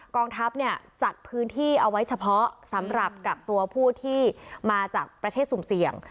กองทัพเนี่ยจัดพื้นที่เอาไว้เฉพาะสำหรับกักตัวผู้ที่มาจากประเทศสุ่มเสี่ยง